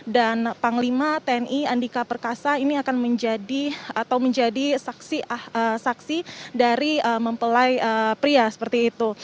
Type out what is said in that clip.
dan panglima tni andika perkasa ini akan menjadi saksi dari mempelai pria seperti itu